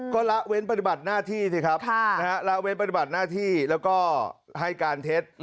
ก็ละเว้นปฏิบัติหน้าที่สิครับละเว้นปฏิบัติหน้าที่แล้วก็ให้การเท็จ